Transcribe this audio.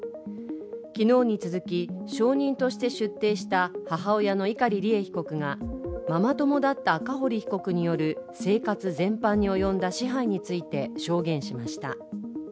昨日に続き、証人として出廷した母親の碇利恵被告がママ友だった赤堀被告による生活全般に及んだ支配について証言しました。